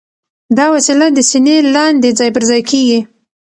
دا وسیله د سینې لاندې ځای پر ځای کېږي.